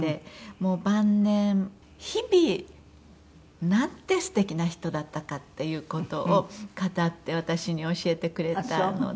もう晩年日々なんて素敵な人だったかっていう事を語って私に教えてくれたので。